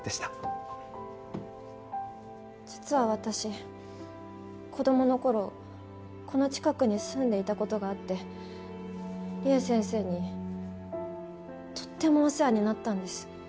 実は私子どもの頃この近くに住んでいた事があってりえ先生にとってもお世話になったんです。